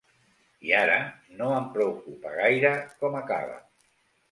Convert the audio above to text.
I ara no em preocupa gaire com acaba.